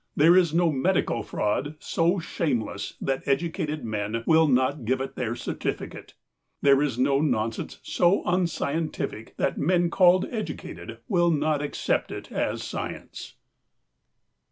There is no medical fraud so shameless that educated men will not give it their certificate. There is no non sense so unscientific that men called educated will not accept it as science."